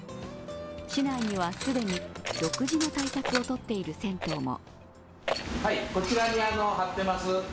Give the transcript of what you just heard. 市内には既に独自の対策をとっている銭湯も。